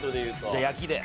じゃあ焼きで。